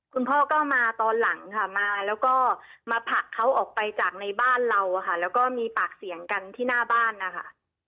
คุณพ่อก็มาตอนหลังค่ะมาแล้วก็มาผลักเขาออกไปจากในบ้านเราค่ะแล้วก็มีปากเสียงกันที่หน้าบ้านนะคะ